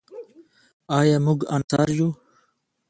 آیا موږ انصار یو؟